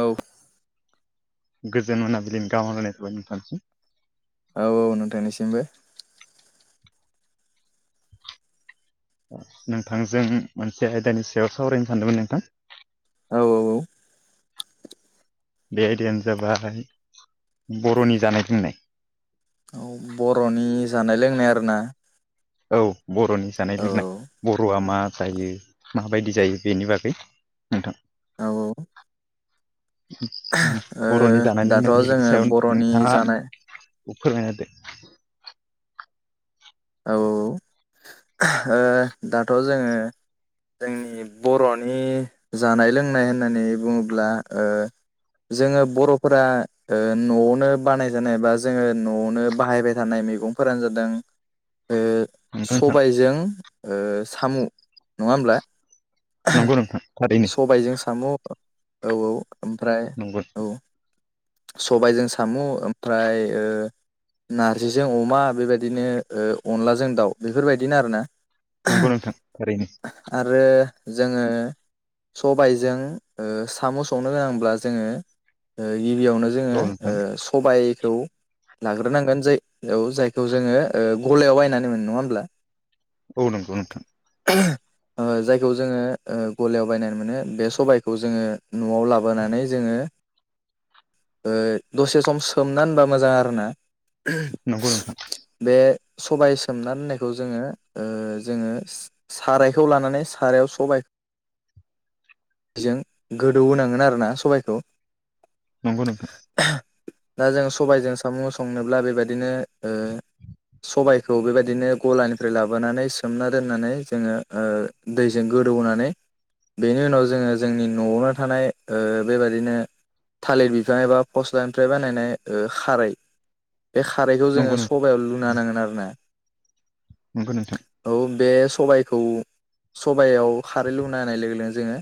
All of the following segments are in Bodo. औ गोजोन मोनाबिलिनि गाहाम हालायनायखौ थाबाय नोंथांसिम, औ औ नोंथांनिसिमबो नोंथांजों मोनसे आयदानि सायाव सावरायनो सानदोंमोन नोंथां, औ औ औ बे आयदायानो जाबाय बर'नि जानाय लोंनाय, औ बर'नि जानाय लोंनाय आरोना? औ बर'नि जानाय औ लोंनाय बर'आ मा, जायो माबायदि जायो बेनि बागै, नोंथां औ औ ओ बर'नि जानाय दाथ' लोंनायनि जोङो सायाव बर'नि नोंथाङा, जानाय फोरमायना होदो औ औ औ ओ दाथ' जोङो जोंनि बर'नि जानाय लोंनाय होननानै बुङोब्ला ओ, जोङो बर'फोरा ओ न'आवनो बानायजानाय बा जोङो न'आवनो बाहायबाय थानाय मैगं फोरानो जादों ओ सबाइजों ओ साम' नङा होमब्ला, नंगौ नोंथां सबाइजों साम' औ औ ओमफ्राय नंगौ नोंथां थारैनो औ सबायजों साम' ओमफ्राय ओ नारजिजों अमा बेबायदिनो अनलाजों दाउ बेफोरबायदिनो आरोना नंगौ नंगौ नोंथां थारैनो आरो जोङो सबायजों ओ संनो गोनांब्ला जोङो, गिबियावनो जोङो औ नोंथां ओ सबायखौ लाग्रोनांगोन जाय औ जायखौ जोङो गलायाव बायनानै मोनो नङा होमब्ला, औ नंगौ नोंथां [unintelligible] ओ जायखौ जोङो गलायाव बायनानै मोनो बे सबायखौ जोङो न'आव लाबोनानै जोङो, ओ दसे सम सोमनान होबा मोजां आरोना? [unintelligible] बे सबाय सोमनान दोननायखौ जोङो ओ जोङो सारायखौ लानानै सारायाव सबाइ, बेजों गोदौ होनोनांगोन आरोना सबायखौ नंगौ नोंथां, दा जों सबायजों साम' संनोब्ला बेबायदिनो ओ सबाय, खौ बेबायदिनो गलानिफ्राय लाबोनानै सोमना दोननानै जोङो ओ दैजों गोदौहोनानै, बेनि उनाव जोङो जोंनि न'आवनो थानाय ओ बेबादिनो थालिर बिफां एबा फस्लानिफ्राय बानायनाय ओ खारै बे खारैखौ जोङो नंगौ नोंथां सबायाव लुना नांगोन आरो ना? नोंगौ नोंथां बे सबायखौ सबायाव खारै लुना होननाय लोगो लोगोनो जोङो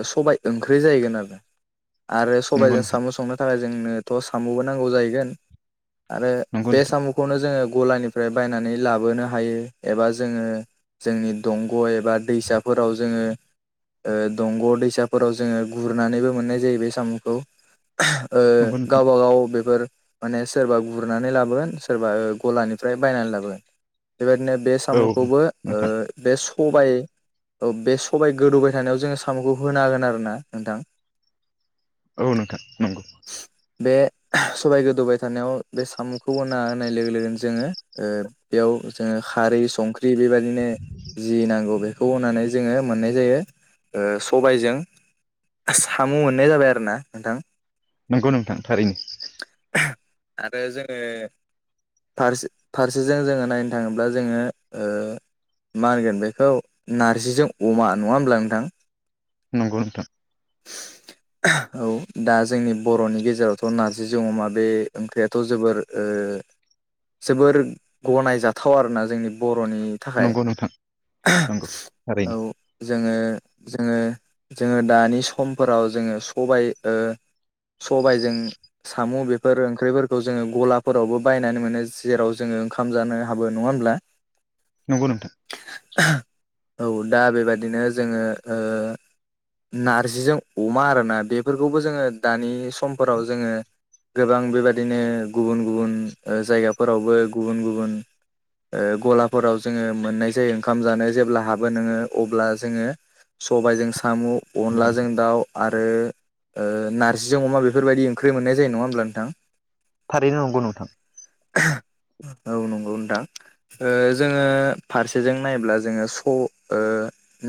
ओ सबाय ओंख्रि जाहैगोन आरो। आरो नंगौ नोंथां नंगौ सबायजों नोंथां साम' संनो थाखाय जोंनोथ' साम'बो नांगौ जाहैगोन आरो बे नंगौ साम'खौनो जोङो, गलानिफ्राय बायनानै लाबोनो हायो एबा जोङो, जोंनि दंग' एबा दैसाफोराव जोङो, ओ दंग' दैसाफोराव जोङो गुरनानैबो मोननाय जायो बे साम'खौ। ओ नोंथां नंगौ नोंथां गावबा गाव बेफोर, माने सोरबा गुरनानै लाबोगोन सोरबा ओ गलानिफ्राय बायनानै लाबोगोन। बेबायदिनो बे औ साम'खौबो ओ नोंथां बे सबाइ औ बे सबाय गोदौबाय थानायाव जोङो साम'खौ होना होगोन आरो ना नोंथां। औ नोंथां नंगौ बे सबाय गोदौबाय थानायाव बे साम'खौ होना होनाय लोगो लोगोनो जोङो ओ बेयाव जोङो खारै संख्रि बेबादिनो जि नांगौ बे खौ होनानै जोङो मोननाय जायो ओ सबायजों साम' मोननाय जाबाय आरोना नोंथां। नंगौ नोंथां थारैनो। आरो जोङो फारसे फारसेजों जोङो नायनो थाङोब्ला जोङो ओ मा होनगोन बेखौ नारजिजों अमा नङा होमब्ला नोंथां नंगौ नोंथां [inaudible] औ दा जोंनि बर'नि गेजेरावथ' नारजिजों अमा बे ओंख्रियाथ' जोबोर ओ जोबोर गनायजाथाव आरोना जोंनि ब र'नि थाखाय। नंगौ नोंथां नंगौ थारैनो औ जोङो जोङो जोङो दानि समफोराव जोङो सबाय ओ सबायजों साम' बेफोर ओंख्रिफोरखौ जोङो गलाफोरावबो बायनानै मोनो जेराव जोङो ओंखाम जानो हाबो नङा होमब्ला नंगौ नोंथां। औ दा बेबादिनो जोङो ओ नारजिजों अमा आरोना बेफोरखौबो जोङो दानि समफोराव जोङो गोबां बेबादिनो गुबुन गुबुन ओ जायगाफोरावबो गुबुन गुबुन ओ गलाफोराव जोङो मोननाय जायो। ओंखाम जानो जेब्ला हाबो नोङो अब्ला जोङो सबायजों साम' नंगौ अनलाजों नोंथां दाउ आरो ओ नारजिजों अमा बेफोरबायदि ओंख्रि मोननाय जायो नङा होमब्ला नोंथां। थारैनो नंगौ नोंथां [unintelligible] औ नंगौ नोंथां ओ जोङो फारसेजों नायब्ला जोङो स' ओ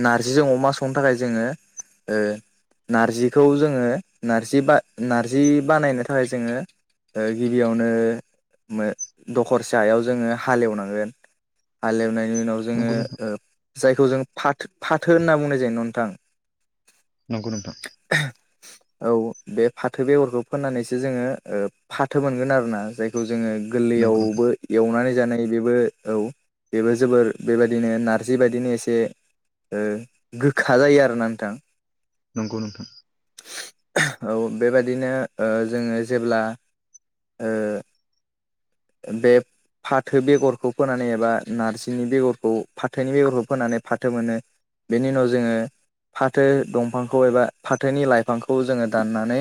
नारजिजों अमा संनो थाखाय जोङो ओ नारजि खौ जोङो नारजि बा नारजि बानायनो थाखाय जोङो ओ गिबियावनो दखरसे हायाव जोङो हालेव नांगोन। हाल एवनाय बेनि उनाव जोङो ओ जायखौ जों फा-फाथो होनना बुंनाय जायो नोंथां नंगौ नोंथां औ बे फाथो बेगरखौ फोनानैसो जोङो ओ फाथो मोनगोन आरोना जायखौ जोङो नंगौ नोंथां गोरलैयावबो एवनानै जानाय बेबो औ बेबो जोबोर बेबायदिनो नारजि बायदिनो एसे ओ गोखा जायो आरोना नोंथां नंगौ नोंथां औ बेबायाददिनो जोंङो जेब्ला ओ बे फाथो बेगरखौ फोनानै एबा नारजिनि बेगरखौ फाथोनि बेगरखौ फोनानै फाथो मोनो बेनि उनाव जोङो फाथो दंफांखौ एबा फाथोनि लाइफांखौ जोङो दाननानै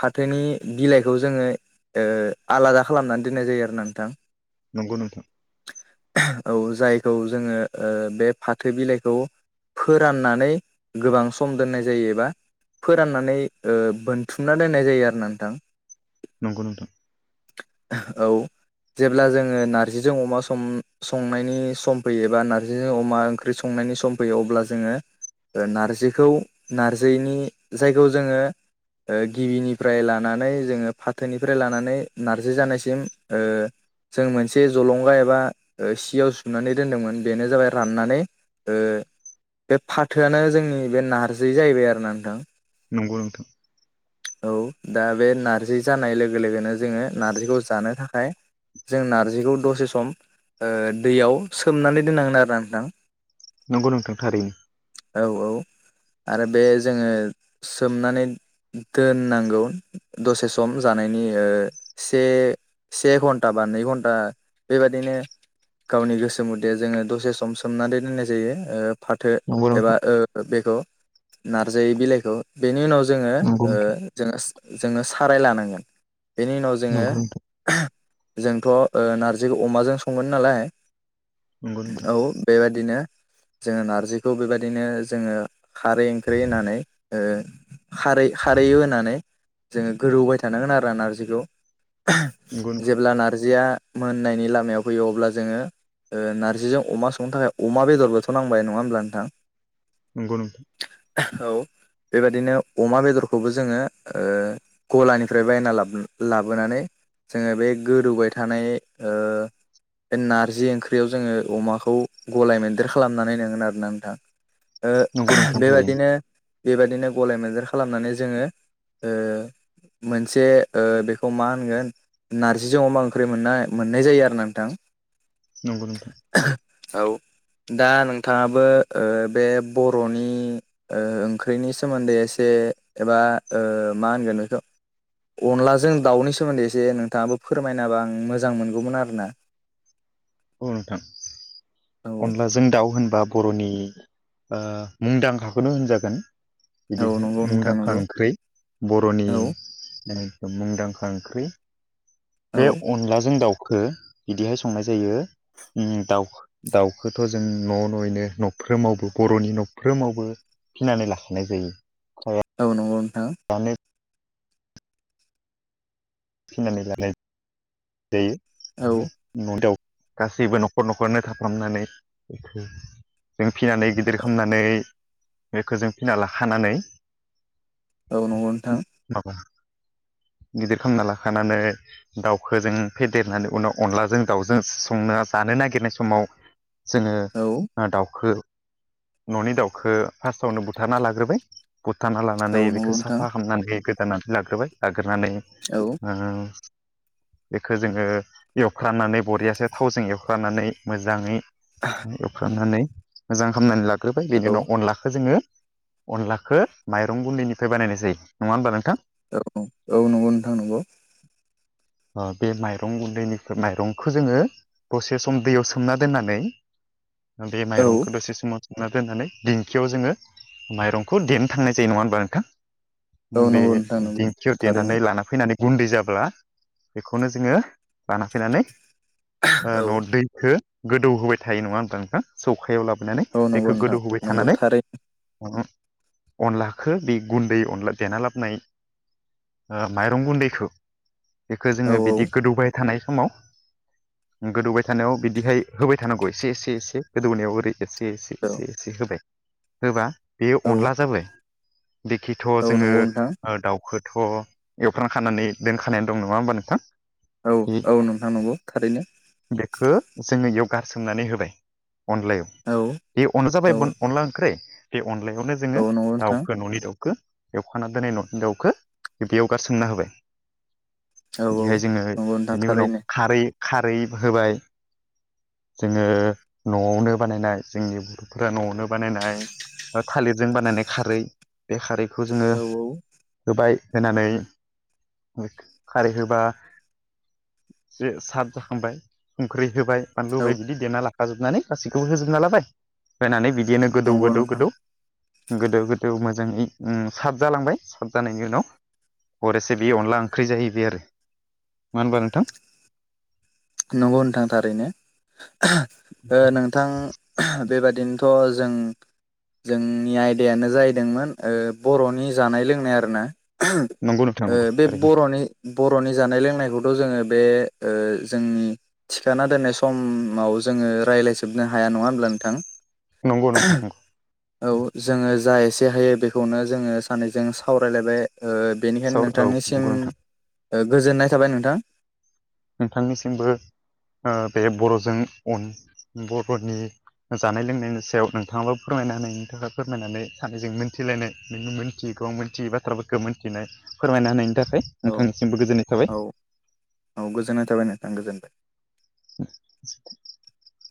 फाथोनि बिलाइखौ जोंङो ओ आलादा खालामनानै दोननाय जायो आरोना नोंथां नंगौ नोंथां औ जायखौ जोङो ओ बे फाथो बिलाइखौ फोराननानै गोबां सम दोननाय जायो फोरनानै ओ बोनथुमना दोननाय जायो आरोना नोंथां नंगौ नोंथां औ जेब्ला जोङो नारजिजों अमा संनायनि सम फैयो एबा नारजिजों अमा ओंख्रि संनो सम फैयो अब्ला जोङो नारजिखौ नारजिनि जायखौ जोंङो गिबिनिफ्राय लानानै जोङो फाथोनिफ्राय लानानै नारजि जानायसिम जों मोनसे जलंगा एबा सियाव सुनानै दोनदोंमोन बेनो जाबाय राननानै बे फाथोआनो जोंनि बे नारजि जाहैबाय आरोना नोंथां नंगौ नोंथां औ दा बे नार्जि जानाय लोगो लोगोनो जोङो नार्जिखौ जानो थाखाय जों नार्जिखौ दसे सम दैयाव सोमनानै दोननांगोन आरोना नोंथां नंगौ नोंथांथारैनो औ औ आरो बे जोङो सोमनानै दोननांगौ दसे सम जानायनि से से घन्टा बा नै घन्टा बेबदिनो गावनि गोसो मुथे जोङो दसे सम सोमनानै दोननाय जायो फाथो नंगौ एबा नोंथां बेखौ नारजायै बिलाइखौ बेनि उनाव जों नंगौ नोंथां जोङो साराय लानांगोन बेनि उनाव जोङो नंगौ नोंथां जोंथ' नारजिखौ अमाजों संङो नालाय नंगौ नोंथां औ बेबायाददिनो जोङो नारजिखौ बेबायदिनो जोङो खारै ओंख्रि होनानै खारै खारै होनानै जोङो गोोरौबाय थानांगोन आरो नारजिखौ नंगौ जेब्ला नारजिया मोननायनि लामायाव फैयो अब्ला जोंङो नारजिजों अमा संनो थाखाय अमा बेदरबोथ' नांबाय नङा होमब्ला नोंथां ग औ बेबायदिनो अमा बेदरखौबो जोङो गलानिफ्राय बायना लाबोनानै जोङो बे गोदौबाय थानाय बे नारजि ओंख्रियाव जोङो अमाखौ गलाय मेदेर खालामनानै नाइनोङोन आरोना नोंथां नंगौ नोंथां थारैनो बेबादिनो बेबायदिनो गलाय मोनदेर खालामनानै जोङो मोनसे बेखौ मा होनगोन नारजिजों अमा ओंख्रि मोननाय मोननाय जायो आरो नोंथां नंगौ नोंथां औ दा नोंथाङाबो बे बर'नि ओंख्रिनि सोमोन्दै एसे एबा मा होनगोन बेखौ अनलाजों दाउनि सोमोन्दै एसे नोंथाङाबो फोरमायना होबा आं मोजां मोनगौमोन आरोना [inaudible] औ नोंथां औ अनलाजों दाउ होनबा बर'नि ओ मुंदांखाखौनो होनजागोन औ बिदिहाय नंगौ नोंथां मुंदांखा नंगौ ओंख्रि बर'नि औ मुंदांखा ओंख्रि औ बे अनलाजों दाउ खो बिदिहाय संनाय जायो उम दाउ दाउखौथ' जों न' न'यैनो न'फ्रोमावबो बर'नि न'फ्रोमावबो फिनानै लाखानाय जायो नंगो नोंथां फिनानै लानाय औ जायो न'नि दाउ गासैबो न'खर न'खरनो थाफ्रामनानै जों फिनानै गिदिर खालामनानै बेखौ जों फिना लाखानानै औ नंगौ नोंथां गेदेर खां नाला खानानै दाउखौजों फेदेरनानै उनाव अनलाजों दाउजों संना जानो नागिरनाय समाव औ जोङो दाउखो न'नि दाउखौ फार्स्टआवनो बुथारना लाग्रोबाय बुथाना औ लानानै नंगौ बेखौ नोंथां साफा खालामामनानै गोदानानै लाग्रोबाय लाग्रोनानै औ अह बेखौ जोङो एवफ्रानानै बरियासे थावजों एवफ्रानानै मोजाङै एवफ्रानानै मोजां खालामनानै लाग्रोबाय बेनि औ उनाव अनलाखौ जोङो अनलाखौ माइरं गुन्दैनिफ्राय बानायनाय जायो नङा होमबा नोंथां। औ औ नंगौ नोंथां नंगौ अ बे माइरं गुन्दैनि माइरंखौ जोङो दसे सम दैयाव सोमना दोननानै बे औ माइरंखौ दसे सम सो ना दोननानै दिंखियाव जोङो माइरंखौ देनो थांनाय जायो नङा होमबा औ नोंथां बे नंगौ नोंथां नंगौ दिंखियाव थारैनो देनानै लाना फैनानै गुन्दै जाब्ला बेखौनो जोङो लाना फैनानै ओ औ न' दैखौ गोदौ होबाय थायो नङा होना नोंथ सौखायाव लाबो नानै औ दैखौ नंगौ नोंथां गोदौहोबाय नंगौ थानानै थारै अनलाखौ बे गुन्दै अनला देना लाबनाय ओ माइरं गुन्दै बेखौ औ जोङो बिदि गोदौबाय थानाय समाव गोदौबाय थानायाव बिदिहाय होबाय थानांगौ एसे एसे एसे गोदौनाव ओरै एसे एसे एसे औ एसे होबाय होबा बेयो अनला जाबाय दिखिथ' औ जोङो नंगौ नोंथां ओ दाउखौथ' एवफ्राम खानानै दोनखानानै दं नङा होमबा नोंथां औ बे औ नोंथां नंगौ थारैनो बेखौ जोङो इयाव गारसोमनानै होबाय अनलायाव औ बे अना जाबाय औ अनला ओंख्रि बे अनलायावनो जोङो नंगौ नोंथां दाउखौ न'नि दाउ खो एवखाना दोननाय न' नि दावखौ बेयावगा गारसोमना होबाय औ बिदिहाय जोङो नंगौ नोंथां बेनि उनाव थारैनो खारै खारै होबाय जोङो न'आवनो बानायनाय जोंनि बर'फोरा न'आवनो बानायनाय बा थालिरजों बानायनाय खारै बे खारैखौ जोङो औ औ होबाय होनानै खारै होबा जो साद जाखांबाय संख्रि होबाय बानलु होबाय औ बिदि देना लाखाजोबनानै गासैखौबो होजोबना लाबाय होनानै बिदि दिनो गोदौ नंगौ गोदौ नोंथां गोदौ गोदौ गोदौ मोजाङै उम साब जालांबाय साब जानायनि उनाव हर एसे बे अनला ओंख्रि जाहैबाय आरो मा होनबा नोंथां नंगौ नोंथां थारैनो ओ नोंथां बेबा बिदिनोथ' जों जोंनि आयदायानो जाहैदोंमोन बर'नि जानाय लोंनाय आरोना नंगौ नोंथां नंगौ बे ओरैनो बर'नि बर'नि जानाय लोंनायखौथ' जोङो बे जोंनि थिखाना दोननाय समाव जोङो रायज्लायजोबनो हाया नङा होमब्ला नोंथां नंगौ नोंथां नंगौ औ जोङो जाय एसे हायो बेखौनो जोङो सानैजों सावरायलायबाय बेनिखायनो साव औ नोंथांनिसिम नंगौ नोंथां गोजोननाय थाबाय नोंथां नोंथांनिसिमबो बे बर'जों अन बर'नि जानाय लोंनायनि सायाव नोंथाङाबो फोरमायना हनायनि थाखाय फोरमायनानै सानैजों मोनथिलायनाय नों मोनथि गोबां मिथियै बाथ्राफोरखौ मिथिनाय फोरमायना होनायनि थाखाय औ नोंथांनिसिमबो गोजोननाय थाबाय औ औ गोजोननाय थाबाय नोंथां गोजोनथों [inaudible]